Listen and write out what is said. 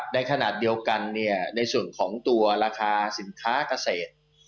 ในขณะเดียวกันในส่วนของตัวราคาสินค้าเกษตร